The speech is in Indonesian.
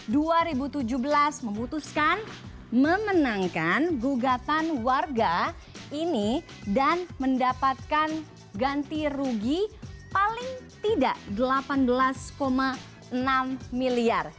sementara itu majelis hakim pengadilan negeri jakpus pada tahun dua ribu tujuh belas memutuskan memenangkan gugatan warga ini dan mendapatkan ganti rugi paling tidak delapan belas enam miliar